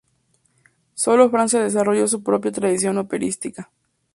Sólo Francia desarrolló su propia tradición operística.